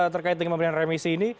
terkait dengan pemberian remisi ini